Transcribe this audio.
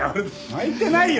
泣いてないよ！